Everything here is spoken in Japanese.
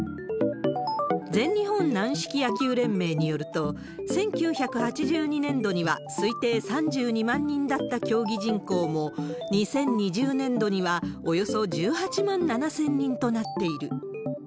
全日本軟式野球連盟によると、１９８２年度には推定３２万人だった競技人口も、２０２０年度にはおよそ１８万７０００人となっている。